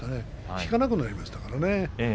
引かなくなりましたね。